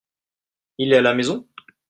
Il est à la maison ?